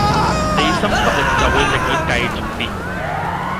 地心吸力就會令佢繼續跌